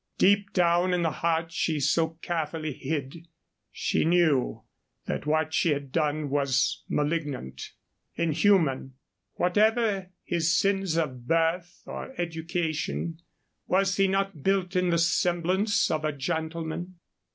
Deep down in the heart she so carefully hid, she knew that what she had done was malignant, inhuman. Whatever his sins of birth or education, was he not built in the semblance of a gentleman?